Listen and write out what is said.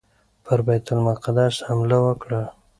پر بیت المقدس حمله وکړه.